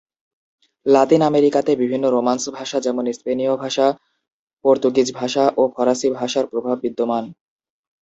লাতিন আমেরিকাতে বিভিন্ন রোমান্স ভাষা যেমন স্পেনীয় ভাষা, পর্তুগিজ ভাষা ও ফরাসি ভাষার প্রভাব বিদ্যমান।